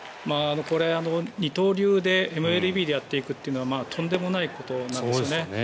これ、二刀流でＭＬＢでやっていくというのはとんでもないことなんですね。